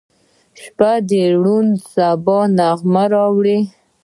• شپه د روڼ سبا پیغام راوړي.